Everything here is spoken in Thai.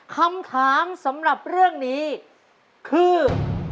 คำถามสำหรับเรื่องนี้คือ